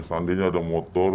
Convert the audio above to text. seandainya ada motor